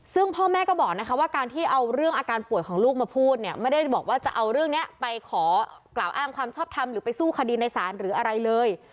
ซึ่งพ่อแม่ก็บอกนะคะว่าการที่เอาเรื่องอาการป่วยของลูกมาพูดเนี่ยไม่ได้บอกว่าจะเอาเรื่องนี้ไปขอกล่าวอ้างความชอบทำหรือไปสู้คดีในศาลหรืออะไรเลย